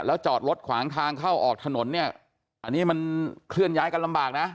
แล้วจอดรถขวางทางเข้าออกถนนเนี่ยอันนี้มันเคลื่อนย้ายกันลำบากนะ